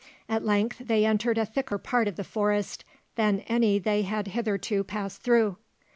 At length they entered a thicker part of the forest than any they had hitherto passed through.